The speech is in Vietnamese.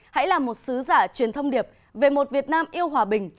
hãy là một sứ giả truyền thông điệp về một việt nam yêu hòa bình